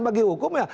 bagi hukum ya